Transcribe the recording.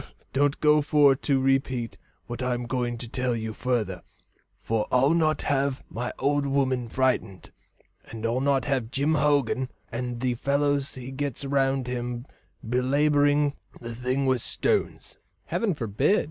"Well, don't go for to repeat what I'm going to tell you further, for I'll not have my old woman frightened, and I'll not have Jim Hogan and the fellows he gets round him belabouring the thing with stones." "Heaven forbid!"